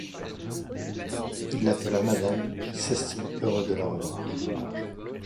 Il l'appela madame; il s'estimait heureux de la revoir.